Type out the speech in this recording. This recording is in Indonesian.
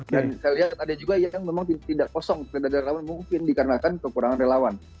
dan saya lihat ada juga yang memang tidak kosong tidak ada relawan mungkin dikarenakan kekurangan relawan